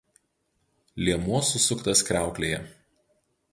Liemuo susuktas kriauklėje.